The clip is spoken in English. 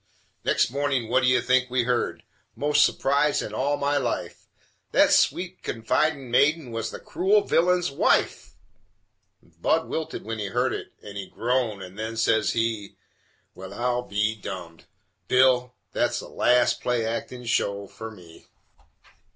Next mornin' what d' you think we heard? Most s'prised in all my life! That sweet, confidin' maiden was the cruel villain's wife! Budd wilted when he heard it, and he groaned, and then, says he: "Well, I'll be dummed! Bill, that's the last play actin' show fer me!"